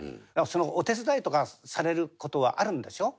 お手伝いとかされる事はあるんでしょ？